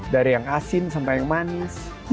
dari yang asin sampai yang manis